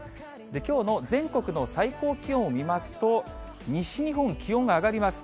きょうの全国の最高気温を見ますと、西日本、気温が上がります。